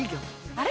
あれ？